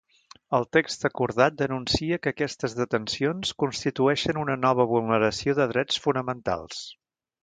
El text acordat denuncia que aquestes detencions constitueixen una nova vulneració de drets fonamentals.